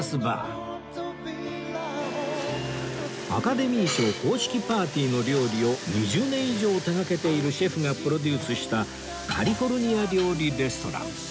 アカデミー賞公式パーティーの料理を２０年以上手掛けているシェフがプロデュースしたカリフォルニア料理レストラン